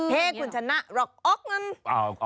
เฮคุณชนะ